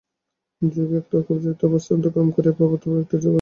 যোগী এই তর্কযুক্তির অবস্থা অতিক্রম করিয়া পর্বতবৎ একটি দৃঢ় সিদ্ধান্তে উপনীত হইয়াছেন।